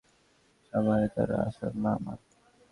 সামার-ই তার আসল মা, মা।